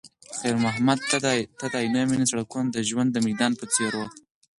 خیر محمد ته د عینومېنې سړکونه د ژوند د میدان په څېر وو.